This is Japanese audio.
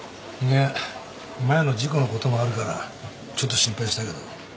いや前の事故のこともあるからちょっと心配したけど。